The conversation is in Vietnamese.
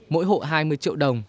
mỗi hộ hai mươi triệu đồng